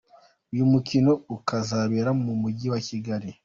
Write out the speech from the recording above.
Uyu mukino ukazabera mu mujyi wa Kigali.